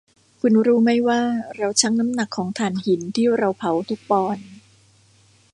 คุณรู้มั้ยว่าเราชั่งน้ำหนักของถ่านหินที่เราเผาทุกปอนด์